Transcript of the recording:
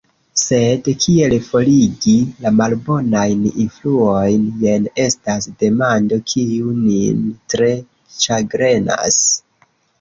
Sed kiel forigi la malbonajn influojn, jen estas demando, kiu nin tre ĉagrenas